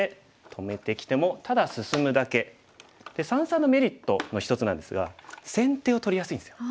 三々のメリットの一つなんですが先手を取りやすいんですよ。